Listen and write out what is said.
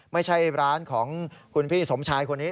ไม่ใช่ร้านของคุณพี่สมชายคนนี้